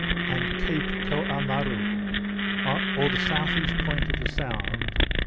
and Cape Koamaroo, or the S.E. point of the sound, N.